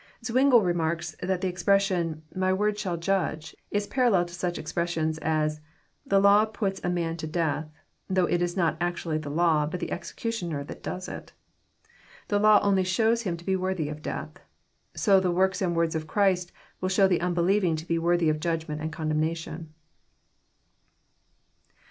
Zwingle remarks that the expression, " My word shall Judge," is parallel to such expressions as, The law pats a man to death," though it is not actually the law, but the executioner that does it. The law only shows him to be worthy of death. So the works and words of Christ will show the unbelieving to be worthy of Judgment and condemnation.